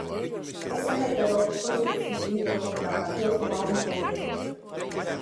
Ese método foi substituído por plantacións dunha única especie.